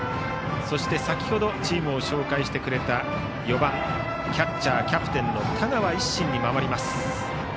そして先程チームを紹介してくれた４番、キャッチャーキャプテンの田川一心です。